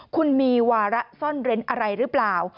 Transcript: คุณมีวาระซ่อนเร้นอะไรหรือเปล่า